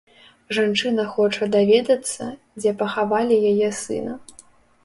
Жанчына хоча даведацца, дзе пахавалі яе сына.